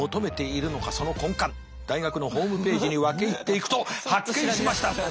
その根幹大学のホームページに分け入っていくと発見しました。